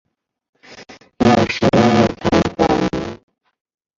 有时有蕈环。